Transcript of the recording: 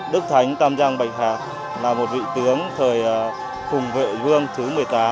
đức thánh tam giang bạch hạc là một vị tướng thời cùng vệ vương thứ một mươi tám